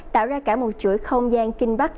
tạo ra cả một chuỗi không gian kinh bắc